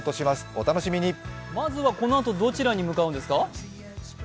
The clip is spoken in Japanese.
まずは、このあとどちらに向かうんですか？